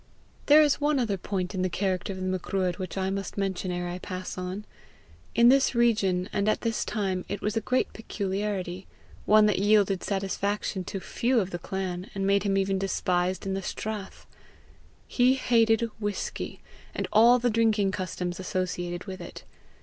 There is one other point in the character of the Macruadh which I must mention ere I pass on; in this region, and at this time, it was a great peculiarity, one that yielded satisfaction to few of the clan, and made him even despised in the strath: he hated whisky, and all the drinking customs associated with it.